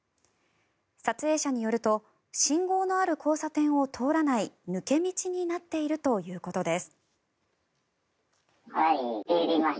撮影者によると信号のある交差点を通らない抜け道になっているということです。